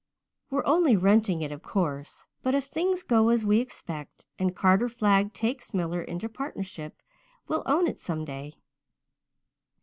We're only renting it, of course, but if things go as we expect and Carter Flagg takes Miller into partnership we'll own it some day.